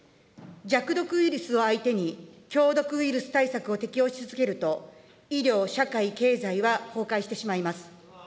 弱毒ウイルスを相手に、強毒ウイルス対策を適用し続けると、医療・社会・経済は崩壊してしまいます。